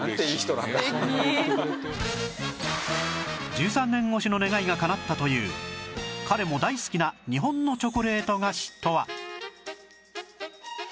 １３年越しの願いがかなったという彼も大好きな日本のチョコレート菓子とは？